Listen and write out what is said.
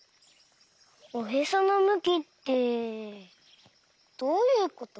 おへそのむきってどういうこと？